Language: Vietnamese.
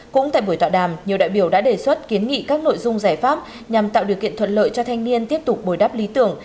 cũng tại buổi tọa đàm nhiều đại biểu đã đề xuất kiến nghị các nội dung giải pháp nhằm tạo điều kiện thuận lợi cho thanh niên tiếp tục bồi đắp lý tưởng